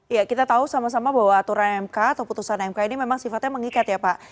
ya kita tahu sama sama bahwa aturan mk atau putusan mk ini memang sifatnya mengikat ya pak